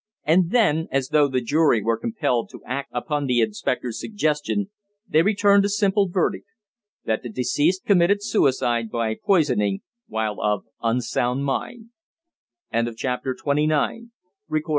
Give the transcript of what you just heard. And then, as though the jury were compelled to act upon the inspector's suggestion, they returned a simple verdict. "That the deceased committed suicide by poisoning while of unsound mind." CHAPTER XXX. SIR BERNARD'S DECISION.